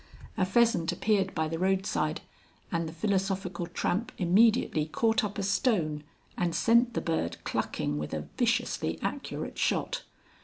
A pheasant appeared by the roadside, and the Philosophical Tramp immediately caught up a stone and sent the bird clucking with a viciously accurate shot.